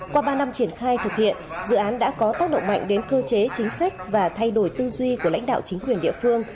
qua ba năm triển khai thực hiện dự án đã có tác động mạnh đến cơ chế chính sách và thay đổi tư duy của lãnh đạo chính quyền địa phương